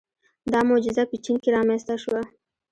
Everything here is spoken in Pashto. • دا معجزه په چین کې رامنځته شوه.